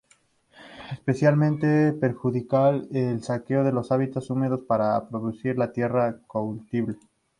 Es especialmente perjudicial el saqueo de los hábitats húmedos para producir la tierra cultivable.